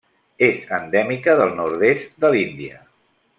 És endèmica del nord-est de l'Índia.